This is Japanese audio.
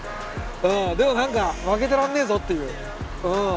うんでも何か負けてらんねえぞっていううん。